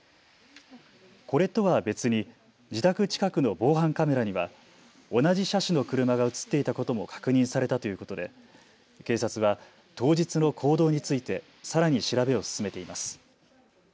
これとは別に自宅近くの防犯カメラには同じ車種の車が写っていたことも確認されたということで警察は当日の行動についてさらに調べを進めています。